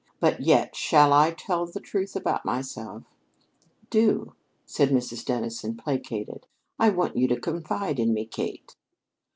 But yet shall I tell the truth about myself?" "Do," said Mrs. Dennison, placated. "I want you to confide in me, Kate."